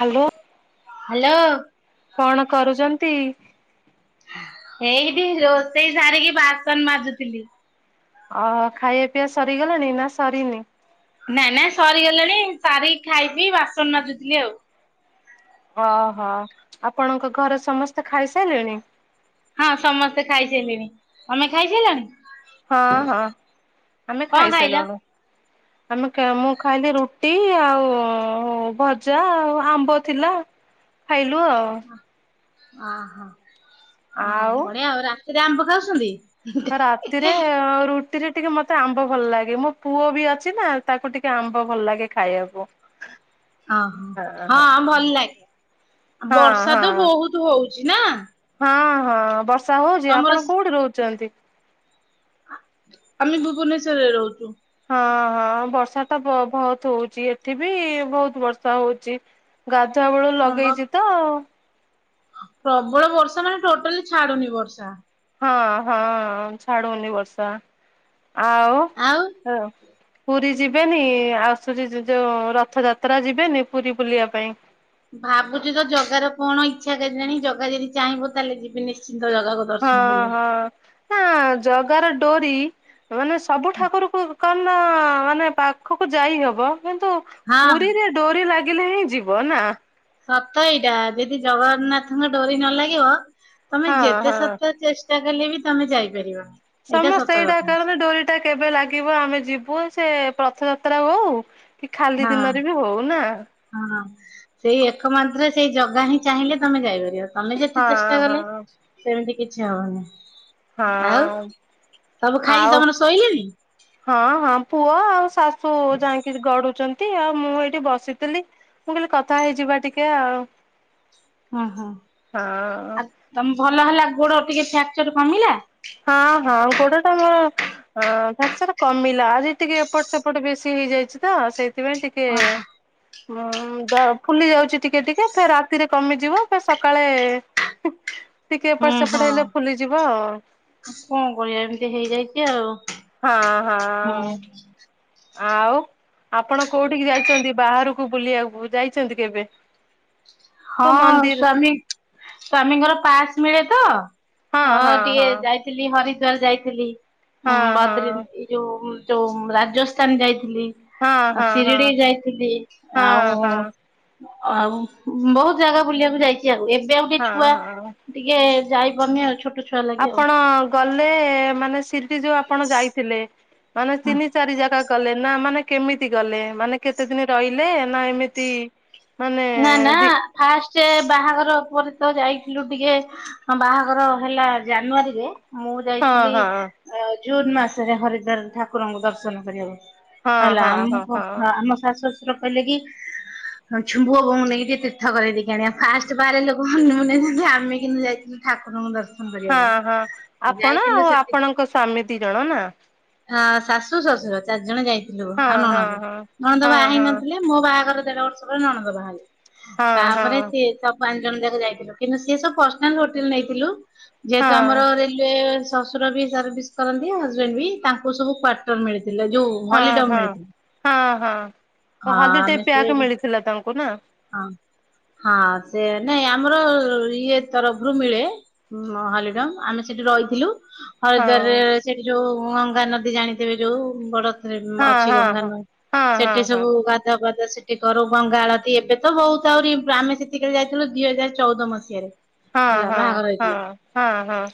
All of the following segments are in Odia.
ହାଲୋ ହ୍ୟାଲୋ କଣ କରୁଚନ୍ତି? ଏଇଠି ରୋଷେଇ ସାରିକି ବାସନ ମାଜୁଥିଲି। ଓହୋ, ଖାଇବା ପିଇବା ସରିଗଲାଣି ନା ସରିନି? ନା, ନା ସରିଗଲାଣି ସାରିକି ଖାଇ ପିଇ ବାସନ ମାଜୁଥିଲି ଆଉ। ଓହୋ, ଆପଣଙ୍କ ଘରେ ସମସ୍ତେ ଖାଇସାଇଲେଣି? ହଁ ସମତେ ଖାଇସାଇଲେଣି। ତମେ ଖାଇସାଇଲଣି? ହଁ ହଁ ଆମେ ଖାଇଲ? ଖାଇସାଇଲୁଣୁ। ତମେ କେ ମୁଁ ଖାଇଲି ରୁଟି ଆଉ ଭଜା ଆଉ ଆମ୍ବ ଥିଲା। ଖାଇଲୁ ଆଉ। ଅଁ ହଁ ଆଉ ଅ ବଢ଼ିଆ ଆଉ ରାତିରେ ଆମ୍ବ ଖାଉଛନ୍ତି? ରାତିରେ ରୁ ଟିରେ ଟିକେ ମତେ ଆମ୍ବ ଭଲ ଲାଗେ ମୋ ପୁଅ ବି ଅଛି ନାଁ ତାକୁ ଟିକେ ଆମ୍ବ ଭଲ ଲାଗେ। ଖାଇବାକୁ ଓହୋ। ହଁ ହଁ। ଭଲ ଲାଗେ ହଁ ବର୍ଷା ତ ହଁ ବହୁତ ହଉଛି, ନାଁ? ହଁ ହଁ ବର୍ଷା ହଉଚି ଆପଣ କୋଉଠି ରହୁଚନ୍ତି? ଆମେ ଭୁବନେଶ୍ୱରରେ ରହୁଚୁ। ହଁ ହଁ ବର୍ଷା ତ ବ ଭଉତ ହଉଚି ଏଠି ବି ଭୋଉତ ବର୍ଷା ହଉଚି। ଗାଧୁଆ ବେଳୁ ହଁ ବା ଲଗେଇଚି ପ୍ରବଳ ବର୍ଷା ମାନେ ଟୋଟାଲି ଛାଡ଼ୁନି ବର୍ଷା। ହଁ ହଁ ଛାଡ଼ୁନି ବର୍ଷା ଆଉ? ଆଉ? ଏଁ ଅ। ପୁରୀ ଯିବେନି ଆସୁଚି ଯୋ ଯୋଉ ରଥଯାତ୍ରା ଯିବେନି ପୁରୀ ବୁଲିବା ପାଇଁ? ଭାବୁଚୁ ତ ଜଗାର କଣ ଇଚ୍ଛା କେଜାଣି ଜଗା ଯେଦି ଚାହିଁବ ତାହେଲେ ଯିବି ନିଶ୍ଚିନ୍ତ ଜଗା ଗ ହଁ ହଁ ନାଁ ଜଗାର ଡୋରି ମାନେ ସବୁ ଠାକୁରକୁ କଣନା ମାନେ ପାଖକୁ ଯାଇ ହବ କିନ୍ତୁ ହଁ ପୁରୀରେ ଡୋରି ଲାଗିଲେ ହିଁ ଯିବ ନାଁ? ସତ ଏଇଟା ଯେଦି ଜଗନ୍ନାଥଙ୍କ ଡୋରି ନ ଲାଗିବ ତମେ ହଁ ଯେତେ ହଁ ସତ ଚେଷ୍ ଟା କଲେ ବି ତମେ ଯାଇପାରିବନି। ସମସ୍ତେ ସତ ଏଇଟା କଥା କାରନ ଡୋରି ଟା କେବେ ଲାଗିବ ଆମେ ଯିବୁ ସେ ପ ରଥଯାତ୍ରା ହଉ କି ଖାଲି ହଁ। ଦିନରେ ବି ହଉ, ନାଁ? ହଁ ସେଇ ଏକମାତ୍ର ସେଇ ଜାଗା ହିଁ ଚାହିଁଲେ ତମେ ଯାଇପାରିବ। ତମେ ଯେତେ ଚେଷ୍ଟା ହଁ କଲେ ହଁ। ସେମିତି କିଛି ହବନେଇ। ଆଉ ହଁ ସବୁ ଖାଇକି ଆଉ ତମର ଶୋଇଲେଣି? ହଁ ହଁ ଆମ ପୁଅ ଆଉ ଶାଶୁ ଯାଇଁକିରି ଗଡ଼ୁଚନ୍ତି ଆଉ ମୁଁ ଏଇଠି ବସିଥିଲି। ମୁଁ କହିଲି କଥା ହେଇଯିବା ଟିକେ ଆଉ। ଅଁ ହ ହଁ ଆ ତମ ଭଲ ହେଲା ଗୋଡ଼ ଟିକେ ଫ୍ୟାକ୍ଚର୍ କମିଲା। ହଁ ହଁ ଗୋଡ଼ଟା ମୋର ଅଁ ଫ୍ୟାକ୍ଚର୍ କମିଲା ଆଜି ଟିକେ ଏପଟ ସେପଟ ବେଶୀ ହେଇଯାଇଚି ତ ସେଇ ଥିପାଇଁ ଟିକେ ଓହୋ ବ ଦ ଫୁଲି ଯାଉଚି ଟିକେ ଟିକେ ଫେର୍ ରାତିରେ କମିଯିବ ଫେର୍ ସକାଳେ ଟିକେ ଏପଟ ହୁଁ ସେପଟ ହଁ। ହେଲେ ଫୁଲିଯିବ। କଣ କରିବା ଏମିତି ହେଇଯାଇଚି ଆଉ। ହଁ ହୁଁ ହଁ। ଆଉ ଆପଣ କୋଉଠିକି ଯାଇଚନ୍ତି ବାହାରୁକୁ ବୁଲିବାକୁ ଯାଇଚନ୍ତି କେବେ? କୋଉ ହଁ ମନ୍ଦିର ସ୍ଵାମୀ ସ୍ଵାମୀଙ୍କର ପାସ୍ ମିଳେ ତ। ହଁ ଅଁ ହଁ ଟିକେ ହଁ ଯାଇଥିଲି ହରିଦ୍ୱାର ଯାଇଥିଲି ହଁ ଉଁ ହଁ। ବଦ୍ରି ଇ ଯୋଉ ଯୋଉ ରାଜସ୍ଥାନ ଯାଇଥିଲି। ହଁ ଅ ହଁ ହଁ ଶିରିଡ଼ି ଯାଇଥିଲି। ଆଉ ହଁ ହଁ ଆଉ ବହୁତ ଜାଗା ବୁଲିବାକୁ ଯାଇଚି ଆଉ। ଏବେ ଉଟେ ହଁ ଛୁଆ ହଁ। ଟିକେ ଯାଇପାରୁନି ଆଉ ଛୋଟ ଛୁଆ ଲାଗି ଆପଣ ଆଉ। ଗଲେ ମାନେ ଶିରିଡ଼ି ଯୋଉ ଆପଣ ଯାଇଥିଲେ ମାନେ ତିନି ଚାରି ଜାଗା କଲେ ନା ମାନେ କେମିତି ଗଲେ ମାନେ କେତେ ଦିନି ରହିଲେ ନା ଏମିତି ମାନେ ନାଁ ନାଁ ଦି ଫାଷ୍ଟେ ବାହାଘର ଉପରେ ତ ଯାଇଥିଲୁ ଟିକେ ହଁ, ବାହାଘର ହେଲା ଜାନୁଆରୀରେ ମୁଁ ହଁ ଯାଇଥିଲି ହଁ ଜୁନ ମାସରେ, ହରିଦ୍ୱାର ଠାକୁରଙ୍କୁ ଦର୍ଶନ କରିବାକୁ। ହଁ ହେଲା, ହଁ ହଁ ଆମକୁ ହଁ। ଆମ ଶାଶୁ ଶ୍ଵଶୁର କହିଲେ କି ପୁଅବୋହୁକୁ ନେଇକି ତୀର୍ଥ କରେଇ ଦେଇକି ଆଣିିବା, ଫାଷ୍ଟ ବାରେ ଲୋକ ହନିମୁନ ରେ ଯାନ୍ତି, ଆମେ କିନ୍ତୁ ଯାଇ ଠାକୁରଙ୍କୁ ଦର୍ଶନ ହଁ, କରିବାକୁ ହଁ, ଆପଣ, ଯାଇଥିଲୁ ଆଉ ଆପଣଙ୍କ ସ୍ଵାମୀ ଦି ଜଣ ନା। ହଁ, ଶାଶୁ ଶ୍ୱଶୁର ଚାରି ଜଣ ଯାଇଥିଲୁ, ହଁ ଆଉ ହଁ ନଣନ୍ଦ, ହଁ। ନଣନ୍ଦ ବାହା ହେଇ ନଥିଲେ। ହଁ ମୋ ବାହାଘର ଦେଢ଼ ବର୍ଷ ପରେ ନଣନ୍ଦ ବାହା ହେଲେ, ହଁ ତାପରେ ସିଏ ସବୁ ପାଞ୍ଚ ଜଣ ଯାକ ଯାଇଥିଲୁ, କିନ୍ତୁ ସି ସବୁ ପର୍ସନାଲ ହୋଟେଲ ନେଇଥିଲୁ, ହଁ ଯେହେତୁ ଆମର ରେ ଶ୍ୱଶୁର ବି ସର୍ଭିସ କରନ୍ତି, ହଜବେଣ୍ଡ ବି, ତାଙ୍କୁ ସବୁ କ୍ୱାଟର୍ ମିଳିଥିଲା, ଯୋଉ ହଁ ହଲିଡମ ହଁ, ମିଳିଥିଲା ହଁ ହଁ, ହଁ ତ ହୋଲି ଡେ ଆମେ ସେ ପ୍ୟାକ୍ ମିଳିଥିଲା ତାଙ୍କୁ ନା? ହଁ, ହଁ ସେ ନାଇଁ, ଆମର ଇଏ ତରଫରୁ ମିଳେ। ହୋଲି ଡେ, ଆମେ ସେଠି ରହିଥିଲୁ। ହଁ ହରିଦ୍ୱାରରେ ସେଇଠି ଯୋଉ ଗଙ୍ଗା ନଦୀ ଜାଣିଥିବେ ଯୋଉ, ବଡ ହଁ ଅଛି ହଁ ଗଙ୍ଗା ହଁ। ନ, ହଁ ହଁ ସେଠି ସବୁ ଗାଧୁଆ ପାଧୁଆ ସେଠି କରଉଁ। ଗଙ୍ଗା ଆଳତି, ଏବେ ତ ହହୁତ ଆହୁରି ଆମେ ସେତିକି ବେଳେ ଯାଇଥିଲୁ, ଦିଇ ହଜାର ଚଉଦ ମସିହାରେ। ହଁ ହେଲା ହଁ ବାହାଘର ହଁ ହେଇଥିଲା। ହଁ ହଁ।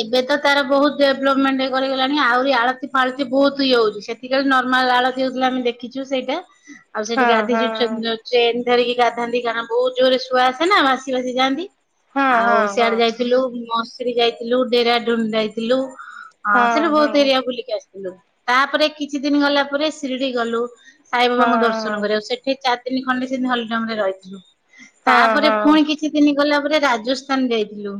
ଏବେ ତ ତାର ବହୁତ ଡେଭଲପମେଣ୍ଟ କରିଗଲାଣି, ଆହୁରି ଆଳତି ଫାଳତି ବହୁତ ଇଏହଉଛି, ସେ ସେତିକିବେଳୁ ନର୍ମାଲ ଆଳତୀ ହଉଥିଲା ଆମେ ଦେଖିଛୁ ସେଇଟା, ଆଉ ସେଠି ହଁ ହଁ ଗାଧେଇଚୁ ଚେନ୍ ଧରିକି ଗାଧାନ୍ତି, କାରଣ- ବହୁତ ଜୋରରେ ସୁଅ ଆସେ ନା ଭାସି ବାସି ଯାଆନ୍ତି। ହଁ ହଁ ଆଉ ହଁ। ସିଆଡେ ଯାଇଥିଲୁ, ମଶ୍ରୀ ଯାଇଥିଲୁ, ଡେରାଡୁନ ଯାଇଥିଲୁ। ହଁ, ସେଠୁ ବହୁତ ଏରିଆ ବୁଲିକି ଆସିଥିଲୁ, ତାପରେ କିଛି ଦିନ ଗଲା ପରେ ଶିରିଡି ଗଲୁ। ସାଇବାବାଙ୍କୁ ଦର୍ଶନ କରିବାକୁ, ସେଠି ଚାର ତିନି ଖଣ୍ଡେ ସେମିତି ହଲିଡ଼ଙ୍ଗ ରେ ରହିଥିଲୁ, ତାପରେ ହଁ। ପୁଣି କିଛି କିଛି ଦିନ ଗଲା ପରେ, ରାଜସ୍ଥାନ ଯାଇଥିଲୁ।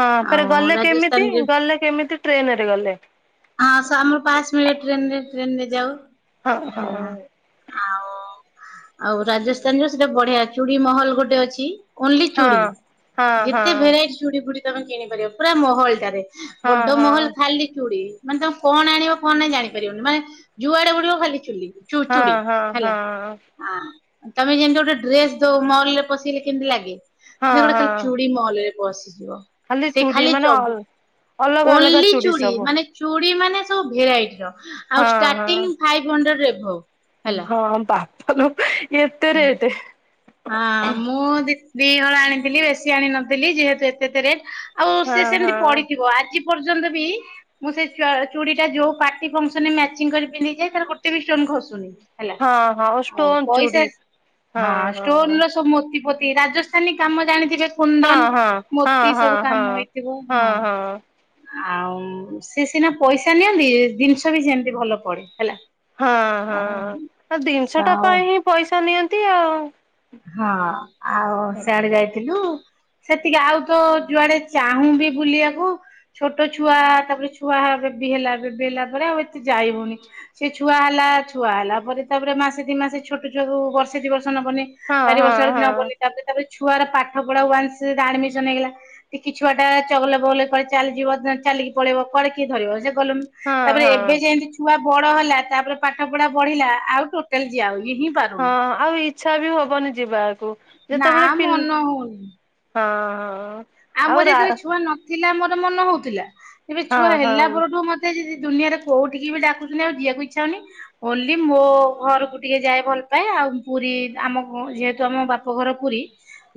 ହଁ, ଫେରେ ଆଉ ଗଲେ କେମିତି? ରାଜସ୍ଥାନରେ ଗଲେ କେମିତି? ଟ୍ରେନ ରେ ଗଲେ। ହଁ, ଆସ ଆମ ପାସ ମିଳେ ଟ୍ରେନରେ, ଟ୍ରେନରେ ଯାଉ। ହଁ ହଁ। ହେଲା ଆଉ ଆଉ ରାଜସ୍ଥାନ ଯୋଉ ସେଟା ବଢିଆ, ଚୁଡ଼ି ମହଲ ଗୋଟେ ଅଛି। ଓନ୍ଲି ଚୁଡ଼ି, ହଁ ହଁ ହଁ ଯେତେ ଭେରାଇଟି ଚୁଡ଼ି ଫୁଡି ତମେ କିଣି ପାରିବ, ପୁରା ମହଲଟାରେ, ହଁ ବଡ ହଁ। ମହଲ ଖାଲି ଚୁଡ଼ି। ମାନେ ତମେ କଣ ଆଣିବ କଣ ନାହିଁ ଜାଣିପାରିବନି, ମାନେ ଯୁଆଡେ ବୁଡିବ ଖାଲି ଚୁଲି, ହଁ ଚୁଡ଼ି ହଁ ହେଲା। ହଁ ହଁ, ତମେ ଯେମିତି ଗୋଟେ ଡ୍ରେସ ଦଉ ମଲ ରେ ପସିଗଲେ କେମିତି ଲାଗେ? ହଁ ସେ ଗୋଟେ ଖାଲି ହଁ ଚୁଡି ମଲରେ ବସିଯିବ। ସେ ଚୁଡ଼ି ଖାଲି ମାନେ ଚବ, ଅଲ ଅଲଗା ଅଲଗା ଓନ୍ଲି ଚୁଡ଼ି ଚୁୁଡ଼ି, ସବୁ ମାନେ ଚୁଡ଼ି ମାନେ ସବୁ ଭେରାଇଟିର, ଆଉ ହଁ ହଁ। ଷ୍ଟାର୍ଟିଙ୍ଗି ଫାଇଭି ହଣ୍ଡ୍ରେଡ ଏଭବ। ହଁ, ବାପଲୋ ଏତେରେଟେ? ହଁ, ମୁଁ ଦିହଳ ଆଣିଥିଲି, ବେଶୀ ଆଣି ନଥିଲି, ଯେହେତୁ ଏତେ ଏତେ ରେଟ। ଆଉ ହଁ ସିଏ ହଁ ସେମିତି ପଡିଥିବ, ଆଜି ପର୍ଯ୍ୟନ୍ତ ବି ମୁଁ ସେଇ ଚୁଡ଼ି ଟା, ଯୋଉ ପାର୍ଟି ଫଙ୍କସନ ରେ ମ୍ୟାଚିଂ କରି ପିନ୍ଧିକି ଯାଏ, ତାର ଗୋଟେ ବି ଷ୍ଟୋନ୍ ଖସୁନି। ହେଲା, ହଁ ହଁ ଓ ଆଉ ଷ୍ଟୋନ ପଇସା, ଚୁଡ଼ି ହଁ ଷ୍ଟୋନର ସବୁ ମୋତିଫୋତି, ରାଜସ୍ଥାନୀ କାମ ଜାଣିଥିବେ? ହଁ କୁନ୍ଦନ, ହଁ ହଁ ମୋତି ହଁ ସବୁ କାମ ହଁ। ହେଇଥିବ, ହଁ। ଆଉ, ସେ ସିନା ପଇସା ନିଅନ୍ତି, ଜିନିଷ ବି ସେମତି ଭଲ ପଡେ ହେଲା। ହଁ ହଁ, ଆଉ ଆଉ ଜିନିଷ ଟା ଆଉ ପାଇଁ ହିଁ ପଇସା ନିଅନ୍ତି ଆଉ। ହଁ, ଆଉ ସିଆଡେ ଯାଇଥିଲୁ। ସେତିକି, ଆଉ ତ ଯୁଆଡେ ଚାହୁଁବି ବୁଲିବାକୁ ଛୋଟ ଛୁଆ, ତାପରେ ଛୁଆ ହେ ବେବି ହେଲା, ବେବି ହେଲା ପରେ ଆଉ ଏତେ ଯାଇହଉନି। ସେ ଛୁଆ ହେଲା, ଛୁଆ ହେଲା ପରେ ତାପରେ ମାସେ ଦି ମାସେ ଛୋଟ ଛୁଆକୁ ବର୍ଷେ ଦି ବର୍ଷ ନବନି। ହଁ ଚାରି ହଁ ବର୍ଷ ଆଡିକି ହଁ। ନବନି, ତାପରେ, ତାପରେ ଛୁଆର ପାଠ ପଢା ୱାନ୍ସ ଆଡମିସନ ହେଇଗଲା ଟିକି ଛୁଆଟା, ଚଗଲା ବଗଲା କୁଆଡେ ଚାଲଯିବ, ଚାଲିକି ପଳେଇବ, କୁଆଡେ କିଏ ଧରିବ, ସେ ଗଲୁନୁ। ହଁ ତାପରେ ହଁ ଏବେ ଯେମିତି ଛୁଆ ବଡ ହେଲା ତାପରେ ପାଠ ପଢା ବଢିଲା ଆଉ ଟୋଟାଲ ଯିଆ ହଉନି [unintelligible] ପାରୁନ ହଁ ଆଉ ଇଚ୍ଛା ବି ହବନି ଯିବାକୁ ନା ଯେତେବେଳେ ପି ମନ ହଉନି। ହଁ ହଁ। ଆଉ ଆମର ରା ଯେତେବେଳେ ଛୁଆ ନଥିଲା ଆମର ମନ ହଉଥିଲା ସେବେ ହଁ ଛୁଆ ହେଲା ହଁ। ପରଠୁ ମ ଦୁନିଆରେ କୋଉଠି କୁ ବି ଡାକୁୁଛନ୍ତି ଆଉ ଯିଆକୁ ଇଚ୍ଛା ହଉନି। ହୋଲି ମୋ ଘରକୁ ଟିକେ ଯାଏ ଭଲ ପାଏ ଆଉ ପୁରୀ ଆମ ଯେହେତୁ ଆମ ବାପ ଘର ପୁରୀ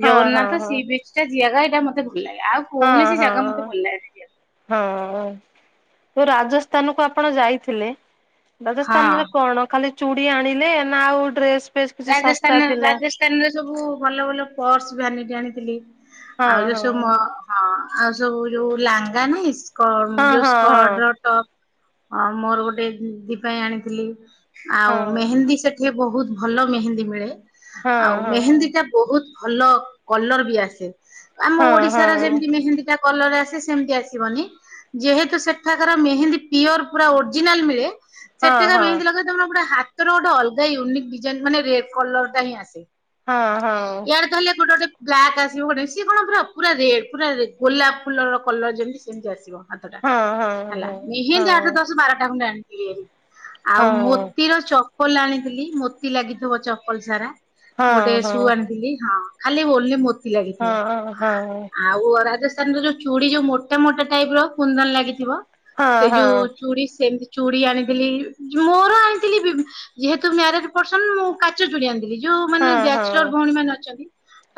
ହଁ ହଁ ଜଗନ୍ନାଥ ହଁ ସେ ବିଚ ଟା ଜିଆଗା ଏଇଟା ମତେ ଭଲ ଲାଗେ ଆଉ ହଁ କୌଣସି ଜାଗା ହଁ ମତେ ଭଲ ଲାଗେନି ଯିବାକୁ। ହଁ ଯୋଉ ରାଜସ୍ଥାନ କୁ ଆପଣ ଯାଇଥିଲେ ରାଜସ୍ଥାନରେ ହଁ କଣ ଖାଲି ଚୁଡି ଆଣିଲେ ନା ଆଉ ଡ୍ରେସ ଫେସ୍ କିଛି ଶସ୍ତା ଥିଲା? ଦେକାନରେ ସବୁ ଭଲ ଭଲ ପର୍ସ ଭାନିଟି ଆଣିଥିଲି ହଁ ଆଉ ଯୋଉ ହଁ ସବୁ ମ ହଁ ଆଉ ସବୁ ଯୋଉ ଲାଙ୍ଗା ନାଇଁ ସ୍କ ହଁ ଯୋଉ ହଁ ସ୍କଟ ର ଟପ୍ ହ ମୋର ଗୋଟେ ଦିଦି ପାଇଁ ଆଣିଥିଲି ହଁ ଆଉ ମେହେନ୍ଦୀ ସେଠି ବହୁତ ଭଲ ମେହେନ୍ଦୀ ମିଳେ ହଁ ଆଉ ହଁ ମେହେନ୍ଦୀ ଟା ବହୁତ ଭଲ କଲର ବି ଆସେ। ଆମ ହଁ ହଁ ଓଡିଶାର ଯେମିତି ମେହେନ୍ଦୀ ଟା କଲର ଆସେ ସେମିତି ଆସିବନି ଯେହେତୁ ସେଠାକାର ମେହେନ୍ଦୀ ପିଓର ପୁରା ଓରିଜିନାଲ ମିଳେ ହଁ ସେଠିକା ହଁ ମେହେନ୍ଦି ଲଗେଇବ ତମର ପୁରା ହାତର ଗୋଟ ଅଲଗା ୟୁନିକ୍ ଡିଜାଇନ ମାନେ ରେ କଲର ଟା ହିଁ ଆସେ ହଁ ହଁ ୟଆଡେ ତାହେଲେ ଗୋଟେ ଗୋଟେ ବ୍ଲାକ୍ ଆସିବ କଣ ସିଏ କଣ ପୁରା ପୁରା ରେଡ୍ ପୁରା ଗୋଲାପ ଫୁଲ ର କଲର ଯେମିତି ସେମିତି ଆସିବ। ହାତଟା ହଁ ହେଲା ହଁ ହଁ ମେହେନ୍ଦୀ ହଁ ଆଠ ଦଶ ବାରଟା ଖଣ୍ଡେ ଆଣିଥିଲି ଏରି ଆଉ ହଁ ମୋତିର ଚପଲ ଆଣିଥିଲି ମୋତି ଲାଗିଥିବ ଚପଲ ସାରା ଗୋଟେ ହଁ ସୁ ଆଣିଥିଲି ହଁ ଖାଲି ଓଲି ମୋତି ଲାଗିଥିବ। ହଁ ହଁ ହଁ ହଁ ହଁ ହଁ ହଁ ଆଉ ରାଜସ୍ଥାନ ର ଯୋଉ ଚୁଡି ଯୋଉ ମୋଟା ମୋଟା ଟାଇପ ର କୁନ୍ଦନ ଲାଗିଥିବ ସେ ହଁ ଯୋଉ ହଁ ଚୁଡି ସେଟ୍ ଚୁଡ ଆଣିଥିଲି ମୋର ଆଣିଥିଲି ବି ଯେହେତୁ ମ୍ୟାରେଜ୍ ପର୍ସନ୍ ମୁଁ କାଚ ଚୁଡି ଆଣିଥିଲି ଯୋଉ ମାନେ ବ୍ୟାଚଲର ଭଉଣୀ ଅଛନ୍ତି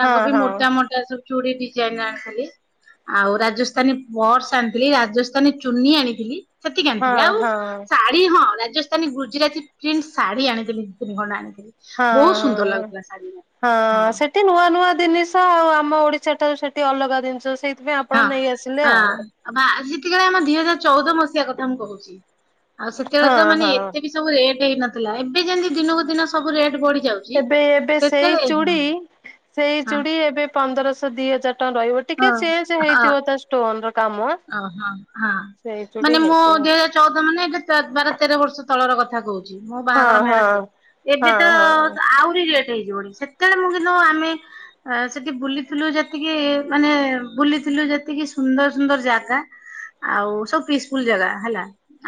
ତାଙ୍କ ହଁ ହଁ ହଁ ପାଇଁ ମୋଟା ମ ଟା ସବୁ ଚୁଡ଼ି ଡିଜାଇନ୍ ଆଣିଥିଲି। ଆଉ ରାଜସ୍ଥାନୀ ପର୍ସ ଆଣିଥିଲି ରାଜସ୍ଥାନୀ ଚୁନି ଆଣିଥିଲି। ସେତିକି ଆଣିଥିଲି ହଁ ଆଉ ହଁ ଶାଢୀ ହଁ ରାଜସ୍ଥାନୀ ଗୁଜୁରାତି ପ୍ରିଣ୍ଟ୍ ଶାଢୀ ଆଣିଥିଲି। କଣା ହଁ ହଁ ହଁ ସେ ସେଠି ନୂଆ ନୂଆ ଜିନିଷ ଆଉ ଆମ ଓଡିଶା ଠାରୁ ସେଠି ଅଲଗା ଜିନିଷ ସେଇ ଏ ଆପଣ ନେଇ ଆସିଲେ ଆଉ ବା ସେତିବଳେ ଆମ ଦିଇ ହଜାର ଚଉଦ ମସିହା କଥା ମୁଁ କହୁଛି ଆଉ ସେତେବେଳେ ହଁ ତ ମାନେ ହଁ ଏତେ ବି ସବୁ ରେଟ୍ ହେଇନଥିଲା ଏବେ ଯେମତି ଦିନକୁ ଦିନ ରେଟ୍ ବଢିଯାଉଛି। ଏବେ ଏବେ ସେଇ ଚୁଡ଼ି ସେଇ ହଁ ଚୁଡି ଏବେ ପନ୍ଦର ଶହ ଦି ହଜାର ଟନ ରହିବ। ଟିକେ ହଁ ଚେଞ୍ଚ୍ ହଁ ହେଇଥିବ ତା ଷ୍ଟୋନ ର କାମ ଓହୋ ହଁ ସେଇ ଚୁଡ଼ି ମାନେ ମୁଁ ହେଇଥିବ ଯେ ଚଉଦ ମାନେ ତେର, ବାର, ତେର ବର୍ଷ ତଳର କଥା କହୁଛି। ମୋ ହଁ ବାହାଘର ହଁ ମ୍ୟାରେଜ ଏବେ ହଁ ତ ହଁ। ଆହୁରି ଲେଟ୍ ହେଇଯିବଣି ସେତେବେଳେ ମୁଁ କିନ୍ତୁ ଆମେ ଆ ସେଠି ବୁଲିଥିଲୁ ଯେତିକି ମାନେ ବୁଲିଥିଲୁ ଯେତିକି ସୁନ୍ଦର ସୁନ୍ଦର ଜାଗା ଆଉ ସବୁ ପିସଫୁଲ ଜାଗା ହେଲା।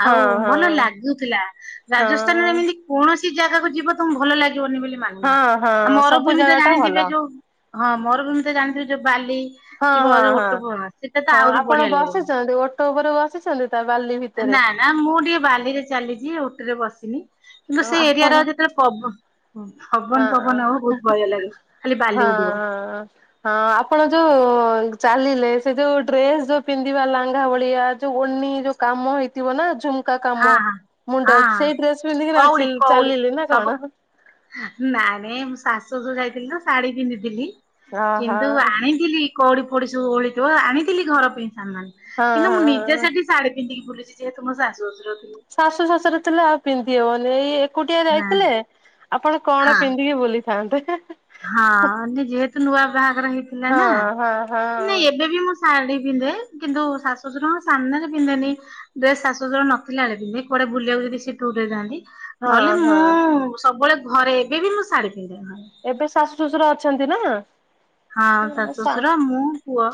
ଆଉ ହଁ ଭଲ ହଁ ଲାଗୁଥିଲା ରାଜସ୍ଥାନରେ ହଁ ଏମିତି କୌଣସି ଜାଗାକୁ ଯିବ ତମକୁ ଭଲ ଲାଗିବନି ବୋଲି ମାନେ ନାହିଁ ହଁ ହଁ ଆଉ ସବୁ ମରୁଭୂମି ତ ଜାଗା ଟା ଜାଣିଥିବେ ଭଲ। ଯୋଉ ହଁ ମୋର ଜେମିତି ଜାଣିଥିଲି ଯୋଉ ବାଲି ହଁ ଥିବ ହଁ ଯୋଉ ଓଟ ହଁ ପର ହଁ ଆପଣ ବସିଛନ୍ତି ଓଟ ଉପରେ ବସିଛନ୍ତି ତା ବାଲି ଭିତରେ? ନା ନା ମୁଁ ଟିକେ ବାଲିରେ ଚାଲିଛି ଉଟିରେ ବସିନି କିନ୍ତୁ ହଁ ସେ ଏରିଆର ଆପଣ ଯେତେବେଳେ ପଵ ହ ପବନ ହଁ ଫବନ ହବ ବହୁତ ଭୟ ଲାଗେ ଖାଲି ବାଲି ଉଡିବ। ହଁ ହଁ ଆପଣ ଯୋଉ ଚାଲିଲେ ସେ ଯୋଉ ଡ୍ରେସ୍ ଯୋଉ ପିନ୍ଧିବା ଲାଙ୍ଘା ଭଳିଆ ଯୋଉ ଓନି ଯୋଉ କାମ ହେଇଥିବ ନା ଝୁ ହଁ କାମ ହଁ ହଁ ମୁଣ୍ଡ ହଁ ସେଇ ଡ୍ରେସ୍ ପିନ୍ଧିକି କଉଡି ନାଚିଲି କଉଡି ଚାଲିଲେ ନା ସବୁ କଣ? ନାଇଁ ମୁଁ ଶାଶୁ ଘରକୁ ଯାଇଥିଲି ତ ଶାଢୀ ପିନ୍ଧିଥିଲି ଅହ କିନ୍ତୁ ହଁ ଆଣି ଥିଲି କଉଡି ପୋଉଡି ସବୁ ଓଳିଥିବ ଆଣିଥିଲି ଘର ପାଇଁ ସାମାନ୍। କିନ୍ତୁ ମୁଁ ନିଜେ ହଁ। ସେଠି ଶାଢୀ ପିନ୍ଧିକି ବୁଲିଚି ଯେହେତୁ ମ ଶାଶୁ, ଶଶୁର ଥିଲେ। ଶାଶୁ ଶାଶୁ ରେ ଥିଲେ ଆଉ ପିନ୍ଧି ହବନି। ଏଇ ଏକୁଟିଆ ନା ରହିଥିଲେ ଆପଣ କଣ ହଁ ପିନ୍ଧିକି ବୁଲିଥାନ୍ତେ। ହଁ ଯେହେତୁ ନୂଆ ବାହାଘର ହେଇଥିଲା ହଁ ନା। ହଁ ହଁ। ନାଇଁ ଏବେ ବି ମୋ ଶାଢୀ ପିନ୍ଧେ କିନ୍ତୁ ଶାଶୁ ଶଶୁରଙ୍କ ସାମ୍ନା ରେ ପିନ୍ଧେନି। ଡ୍ରେସ୍ ଶାଶୁୁ ଶଶୁର ନଥିଲା ବେଳେ ପିନ୍ଧେ। କୁଆଡେ ବୁଲିବାକୁ ଯଦି ସେ ଟୁର୍ ରେ ଯାଆନ୍ତି। ହଁ ନହେଲେ ହଁ ମୁଁ ସବୁବେଳେ ଘରେ ଏବେ ବି ମୁଁ ଶାଢୀ ପିନ୍ଧେ। ଏବେ ଶାଶୁ ଶ୍ୱଶୁର ଅଛନ୍ତି ନା? ହଁ ଶାଶୁ ଶଶୁର ମୁଁ ପୁଅ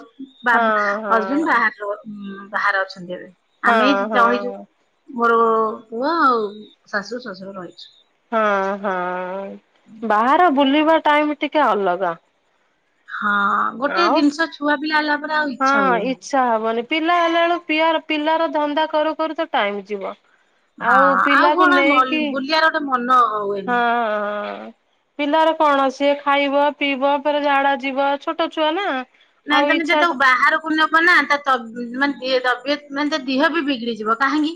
ବାବ୍ ହଁ ହଜବେଣ୍ଟେ ବାହାରେ ରୁହନ୍ତି। ହୁଁ ବାହାରେ ଅଛନ୍ତି ଏବେ ହଁ ଆମେ ଏଠି ଚଳୁଚୁ। ହଁ। ମୋରୋ ପୁଅ ଆଉ ଶାଶୁ ଶଶୁର ରହିଚୁ। ହଁ ହଁ ବାହାର ବୁଲିବା ଟାଇମ ଟିକେ ଅଲଗା। ହଁ ଗୋଟେ ଆଉ ଜିନିଷ ଛୁଆ ପିଲା ହେଲା ପରେ ଆଉ ଇଚ୍ଛା ହୁଏନି। ଇଛା ହବନି ପିଲା ହେଲା ଏଳୁକୁ ପିଆର ପିଲାର ଧନ୍ଦା କରୁ କରୁ ତ ଟାଇମ ଯିବ। ଆଉ ହଁ ପିଲାକୁ କଣ ନେଇକି ବୁଲିବାର ଗୋଟେ ମନ ହୁଏନି ହଁହଁ। ପିଲାର କଣ ସିଏ ଖାଇବ ପିଇବ ଫେରେ ଝାଡା ଯିବ। ଛୋଟ ଛୁଆ ନା। ନାଇଁ ଆଉ ତମେ ଯେ ଇଚ୍ଛା ତାକୁ ବାହାର କୁ ନବ ନା ତା ତବ ମାନେ ଇଏ ତବିୟତ ମାନେ ତା ଦିହ ବି ବିଗିଡିଯିବ। କାହିଁକି?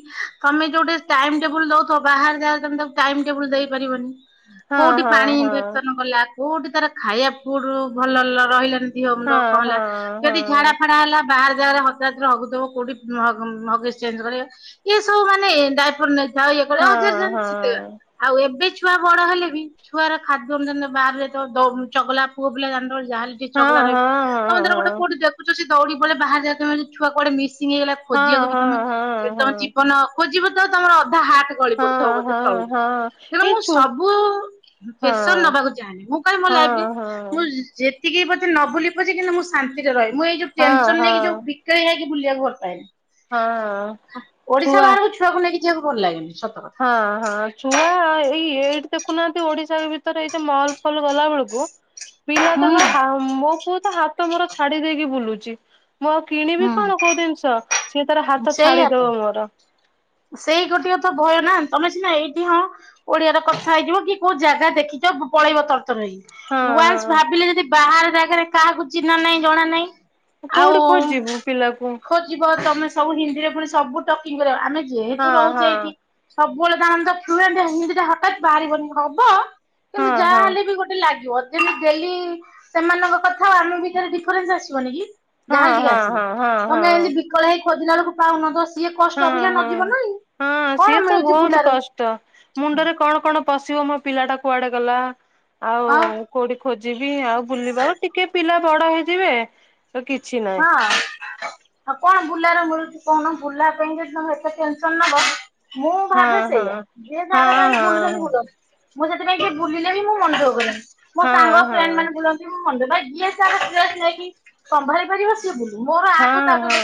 ତମେ ଯୋଉଟି ଟାଇମ ଟେବୁଲ ଦଉଥବ ବାହାର ଜାଗାରେ ତମେ ତାକୁ ଟାଇମ ଟେବୁଲ ଦେଇପାରିବନି। ଟା କୋଉଠି ହଁ ପାଣି ହଁ ଇମଫେକ୍ସନ କଲା। କୋଉଠି ତାର ଖାଇବା ଫୁଡୁ ଭଲ ଲ ରହିଲାନି ଦିହ ମୁଣ୍ଡ ହଁ କଁ ହେଲା ହଁ ହଁ ଯଦି ଝାଡା ଝାଡା ହେଲା ବାହାର ଜାଗାରେ ହଜାର ଥର ହଗୁଥବ କୋଉଠି ହ - ହଗିସ ଚେଞ୍ଜ କରିବ। ଇଏ ସବୁ ମାନେ ଏ ଡାଇପର ନେଇଥାଅ ଇଏ କର [unintelligible] ହଁ। ଯେମତି ସେୟା। ଆଉ ଏବେ ଛୁଆ ବଡ ହେଲେ ବି ଛୁଆର ଖାଦ୍ୟ ଅନୁସାରେନା ବାହାରେ ତ ଯେତେହେଲେ ଦଉ ଚଗଲା ପୁଅ ପିଲା ଜାନଥବ ଯାହା ହେଲେ ଟିକେ ହଁ ଚଗଲା ହଁ ରଇବ। ହଁ ତମେ ଧର ହଁ ଗୋଟେ କୋଉଠି ଦେଖୁଚ ସିଏ ଦୌଡି ପଳେଇବେ ବାହାର ଜାଗା କେମିତି ଛୁଆ କୁଆଡେ ମିସ ଙ୍ଗ ହେଇଗଲା ହଁ ଖୋଜିବାକୁ ହଁ ହଁ ବି ତମେ ହଁ ସେଠି ତମ ହଁ ଜୀବନ ଖୋଜିବ ତ ତମର ଅଧା ହାଟ ଗଳି ପଡୁଥବ ହଁ ବୋଧେ ହଁ ତଳୁକୁ। ହଁ ତେଣୁ ଏଇ ମୁଁ ଛୁ ସବୁ ହଁ ପେସର ନବାକୁ ଚାହେଁନି। ମୁଁ ଟୋଟାଲ ମୋ ହଁ ଲାଇଫରେ ହଁ ମୁଁ ଯ ଯେ ତିକି ବୋଧେ ନବୁଲିବି ପଛେ କିନ୍ତ ମୁଁ ଶାନ୍ତିରେହେ ମୁଁ ଏଇ ଯୋଉ ହଁ ଟେନସନ ନେଇକି ଯୋଉ ହଁ ବିକ ଳେଇ ହେଇକି ବୁଲିବାକୁ ଭଲ ପାଏନି। ହଁ ଖା ଓଡିଶା ଛୁଆ ବାହାରକୁ ଛୋ ଛୁଆକୁ ନେଇକି ଯିବାକୁ ଭଲ ଲାଗେନି ସତ କଥା। ହଁ ହଁ ଛୁଆ ଏଇ ଏଇଠି ଦେଖୁନାଆନ୍ତି ଓଡିଶା ଭିତରେ ଏଇ ଯୋଉ ମଲ ଫଲ ଗଲା ବେଳୁକୁ ପିଲା ହୁଁ ତାଙ୍କର ହାଉ ମୋ ପୁଅ ତ ହାତ ମୋର ଛାଡି ଦେଇକି ବୁଲୁଚି। ମୁଁ ଆଉ କିଣିବି କଣ ହୁଁ। କୋଉ ଜିନିଷ ସିଏ ତାର ହାତ ସେଇଆ ତ ଛାଡିଦବ ମୋର। ସେଇ ଗୋଟିଏ ତ ଭୟ ନା ତମେ ସିନା ଏଇଠି ହଁ ଓଡିଆ ର କଥା ହେଇଯିବ କି କୋଉ ଜାଗା ଦେଖିଚ ପ- ପଳେଇବ ତର ତର ହେଇକି। ହଁ ୱାନ୍ସ ହଁ ଭାବିଲେ ଯଦି ବାହାର ଜାଗାରେ କାହାକୁ ଚିହ୍ନା ନାଇଁ ଜଣା ନାଇଁ କୋଉଠି ଖୋଜିବୁ ପିଲାକୁ? ଯିବ ତମେ ସବୁ ହିନ୍ଦୀରେ ପୁଣି ସବୁ ଟକିଂ କରିଅ ଆମେ ହଁ ଯେହେତୁ ରହୁଚେ ହଁ ଏଇଠି ସବୁବେଳେ ତାମାନେ ତ ଫ୍ଲୁଏଣ୍ଟ ହିନ୍ଦୀଟା ହଠାତ୍ ବାହାରିବନି ହବ କିନ୍ତୁ ହଁ ଯାହା ହଁ ହେଲେ ବି ଗୋଟେ ଲାଗିବ। ଯେମତି ଡେଲି ସେମାନଙ୍କ କଥା ଆଉ ଆମ ଭିତେରେ ଡିଫରେନ୍ସ ଆସିବନି କି? ହଁ ଯାହାେଲେ ଟିକେ ହଁ ଆସିବ। ହଁ ହଁ ତମେ ହଁ। ଏମତି ବିକଳ ହେଇ ଖୋଜିଲା ବେଳକୁ ପାଉନ ତ ସିଏ କଷ୍ଟ ଅପେକ୍ଷା ହୁଁ ନ ହଁ ସିଏ ତ ବହୁତ କଷ ଟ, ମୁଣ୍ଡରେ କଣ କଣ ପଶିବ ମୋ ପିଲାଟା କୁଆଡେ ଗଲା ଆଉ ଆଉ? କୋଉଠି ଖୋଜିବି ଆଉ ବୁଲିବା ଆଉ ଟିକେ ପିଲା ବଡ ହେଇଯିବେ ସେକିଛି ନା ହଁଅଁ। ଆଁ କଣ ବୁଲାର ମିଳୁଚି କଣ ବୁଲା ପାଇଁ ଯଦି ତମେ ଏତେ ଟେନସନ୍ ନବ ମୁଁ ହଁ ଭାବେ ହଁ ସେଇଆ ଯିଏ ହଁ ତାର ପାଇଁ ବୁଲୁଛନ୍ତି ହଁ। ବୁଲନ୍ତୁ। ମୁଁ ସେଥିପାଇଁ କିଏ ବୁଲିଲେବି ମୁଁ ମନ ଦୁଖ କରେନି ମୋ ସାଙ୍ଗ ହଁ ଫ୍ରେଣ୍ଡ ହଁ ମାନେ ବୁଲ କି ମୁମନ ଦୁଃଖ ଭାଇ ଯିଏ ତାର ଷ୍ଟ୍ରେସ୍ ନେଇକି ସମ୍ଭଳିି ପାରିବ ସିଏ ବୁଲୁ ମୋର ଆଠୁ ହଁ ତାଠୁ ହଁ। ଦେ